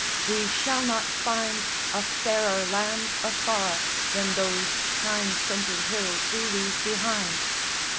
We shall not find a fairer land afar Than those thyme scented hills we leave behind!